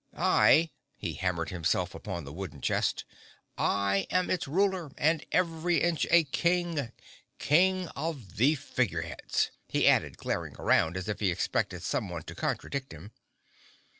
I," he hammered himself upon the wooden chest—"I am its Ruler and every inch a King—King of the Figure Heads," he added, glaring around as if he expected someone to contradict him.